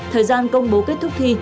thời gian công bố kết thúc thi